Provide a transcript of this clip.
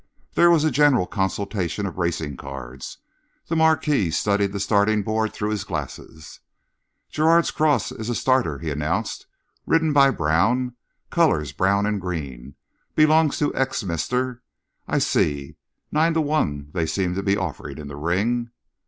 There was a general consultation of racing cards. The Marquis studied the starting board through his glasses. "Gerrard's Cross is a starter," he announced, "ridden by Brown, colours brown and green. Belongs to Exminster, I see. Nine to one they seem to be offering in the ring."